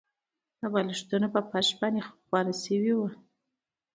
دا بالښتونه په فرش باندې خپاره شوي وو